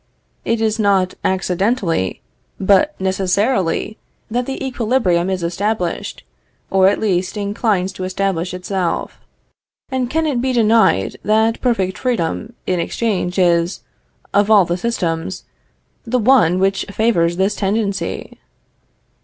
It is not accidentally but necessarily that the equilibrium is established, or at least inclines to establish itself; and can it be denied that perfect freedom in exchanges is, of all the systems, the one which favors this tendency?